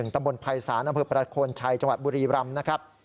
ตำบลภัยศาสนภพประโคนชัยจังหวัดบุรีบรรมนะครับ